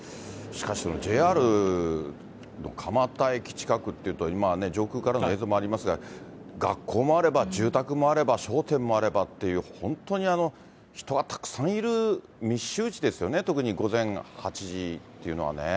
しかし、ＪＲの蒲田駅近くっていうと、今はね、上空からの映像もありますが、学校もあれば、住宅もあれば、商店もあればっていう、本当に人がたくさんいる密集地ですよね、特に午前８時というのはね。